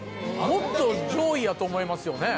もっと上位やと思いますよね？